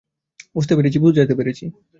বুঝতে পেরেছি, বুঝতে পেরেছি।